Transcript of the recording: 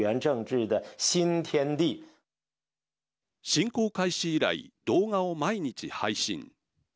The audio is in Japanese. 侵攻開始以来動画を毎日配信。